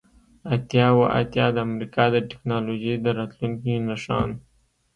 اتیا اوه اتیا د امریکا د ټیکنالوژۍ د راتلونکي نښان